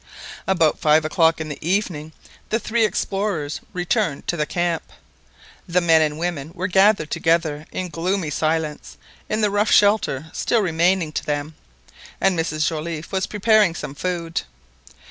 About five o'clock in the evening the three explorers returned to the camp. The men and women were gathered together in gloomy silence in the rough shelter still remaining to them, and Mrs Joliffe was preparing some food.